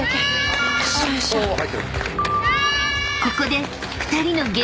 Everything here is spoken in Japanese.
［ここで２人の］